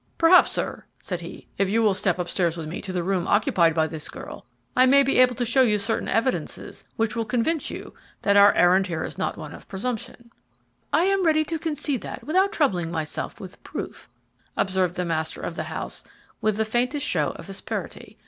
"Perhaps sir," said he, "if you will step upstairs with me to the room occupied by this girl, I may be able to show you certain evidences which will convince you that our errand here is not one of presumption." "I am ready to concede that without troubling myself with proof," observed the master of the house with the faintest show of asperity.